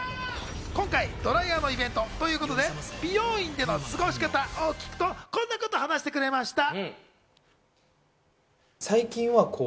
今回、ドライヤーのイベントということで、美容院での過ごし方を聞くと、こんなことを話してくれました。